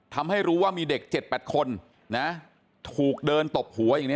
ทำให้รู้ว่ามีเด็ก๗๘คนถูกเดินตบหัวอย่างนี้